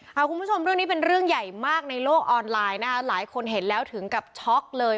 คุณผู้ชมเรื่องนี้เป็นเรื่องใหญ่มากในโลกออนไลน์นะคะหลายคนเห็นแล้วถึงกับช็อกเลย